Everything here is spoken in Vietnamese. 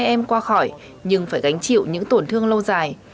một trăm hai mươi hai em qua khỏi nhưng phải gánh chịu những tổn thương lâu dài